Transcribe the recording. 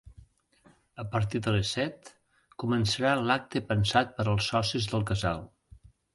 A partir de les set, començarà l’acte pensat per als socis del casal.